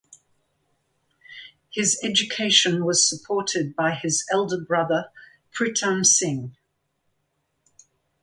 His education was supported by his elder brother Pritam Singh.